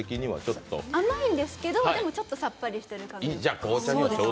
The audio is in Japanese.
甘いんですけど、でもちょっとさっぱりしてる感じで。